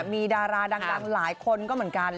มีดาราดังหลายคนก็เหมือนกัน